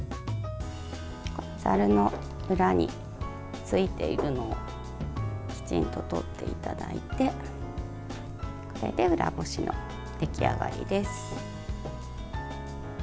ざるの裏についているのをきちんととっていただいてこれで裏ごしの出来上がりです。